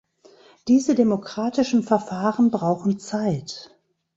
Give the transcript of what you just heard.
Diese demokratischen Verfahren brauchen Zeit.